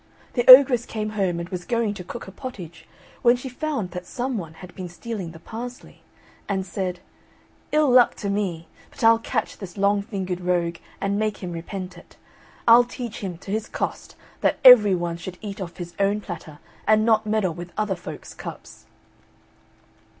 The ogress came home and was going to cook her pottage when she found that some one had been stealing the parsley, and said, "Ill luck to me, but I'll catch this long fingered rogue and make him repent it; I'll teach him to his cost that every one should eat off his own platter and not meddle with other folks' cups."